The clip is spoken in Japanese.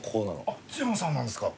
あっ津やまさんなんですか。